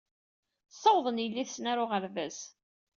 Ssawḍen yelli-tsen ɣer uɣerbaz.